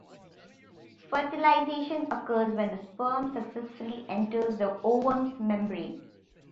Fertilization occurs when the sperm successfully enters the ovum's membrane.